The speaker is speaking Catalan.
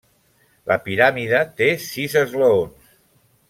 La piràmide té sis esglaons.